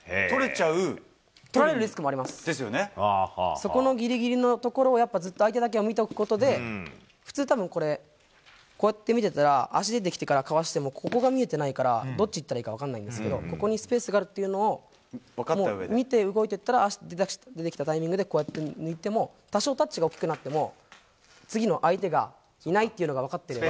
そこのぎりぎりのところを、やっぱずっと相手だけを見ておくことで、普通たぶん、これ、こうやって見てたら足出てきてからかわしても、ここが見えてないから、どっち行ったらいいか分かんないんですけど、ここにスペースがあるっていうのを見て動いていったら、足出てきたタイミングで、こうやって抜いても、多少タッチが大きくなっても、次の相手がいないっていうのが分かってれば。